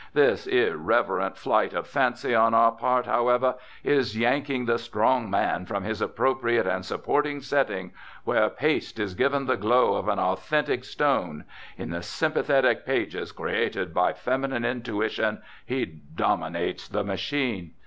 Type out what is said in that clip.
This irreverent flight of fancy on our part, however, is yanking the strong man from his appropriate and supporting setting, where paste is given the glow of an authentic stone; in the sympathetic pages created by feminine intuition he dominates the machine.